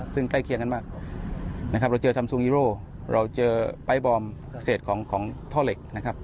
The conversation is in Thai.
ซึ่งใกล้เคียงกันมากนะครับเราเจอซัมซูฮีโร่เราเจอปลายบอมเศษของท่อเหล็กนะครับ